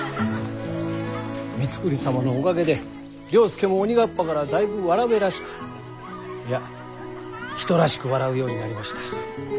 光圀様のおかげで了助も鬼河童からだいぶ童らしくいや人らしく笑うようになりました。